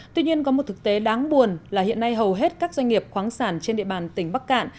tuy nhiên có một thực tế đáng buồn là hiện nay hầu hết các doanh nghiệp khoáng sản trên địa bàn tỉnh bắc cạn